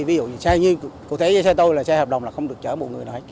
ví dụ như xe tôi là xe hợp đồng là không được chở mọi người